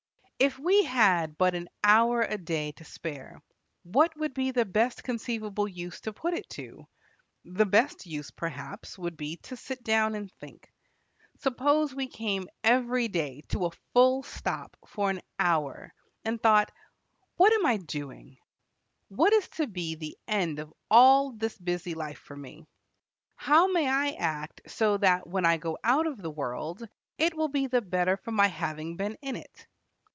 If we had but an hour a day to spare, what would be the best conceivable use to put it to? The best use, perhaps, would be to sit down and think. Suppose we came every day to a full stop for an hour, and thought: "What am I doing? What is to be the end of all this busy life for me? How may I so act that when I go out of the world, it will be the better for my having been in it?"